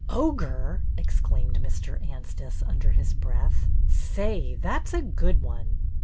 " Ogre !" exclaimed Mr. Anstice, under his breath. " Say, that 's a good one